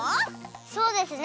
そうですね